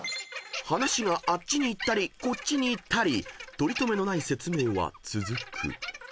［話があっちに行ったりこっちに行ったりとりとめのない説明は続く］